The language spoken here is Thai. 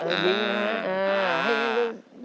ยิ้มอีก